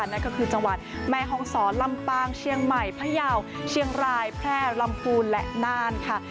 นั่นก็คือจังหวัดแม่ฮองศรลำปางเชียงใหม่พยาวเชียงรายแพร่ลำพูนและน่านค่ะ